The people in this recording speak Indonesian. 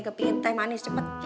kepiin teh manis cepet